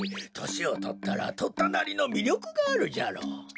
としをとったらとったなりのみりょくがあるじゃろう。